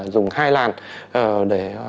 dùng hai làn để